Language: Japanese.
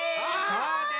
そうです！